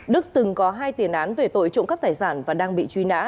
đức từng có hai tiền án về tội trộm cắp tài sản và đang bị truy nã